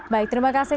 baik terima kasih